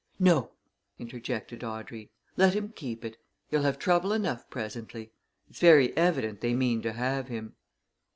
"No!" interjected Audrey. "Let him keep it. He'll have trouble enough presently. It's very evident they mean to have him."